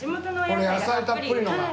この野菜たっぷりのが。